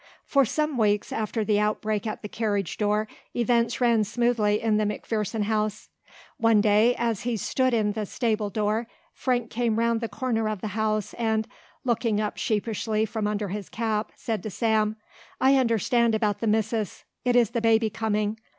For some weeks after the outbreak at the carriage door events ran smoothly in the McPherson house. One day as he stood in the stable door Frank came round the corner of the house and, looking up sheepishly from under his cap, said to Sam: "I understand about the missus. It is the baby coming.